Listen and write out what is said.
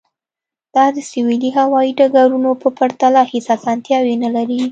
دا د سویلي هوایی ډګرونو په پرتله هیڅ اسانتیاوې نلري